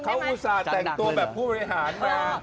เขาอุตส่าห์แต่งตัวแบบผู้บริหารมา